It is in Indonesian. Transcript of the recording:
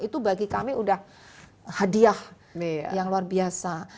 itu bagi kami sudah hadiah yang luar biasa